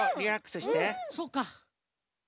そうか。